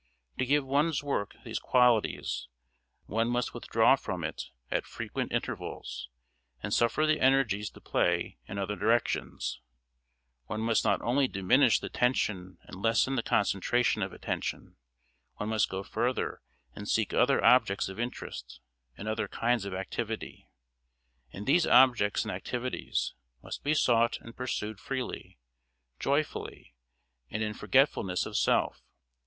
To give one's work these qualities one must withdraw from it at frequent intervals, and suffer the energies to play in other directions; one must not only diminish the tension and lessen the concentration of attention; one must go further and seek other objects of interest and other kinds of activity; and these objects and activities must be sought and pursued freely, joyfully, and in forgetfulness of self.